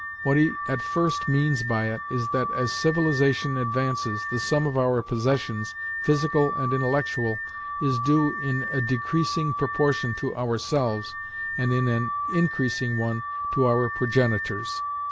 What he at first means by it, is that as civilization advances, the sum of our possessions, physical and intellectual, is due in a decreasing proportion to ourselves, and in an increasing one to our progenitors.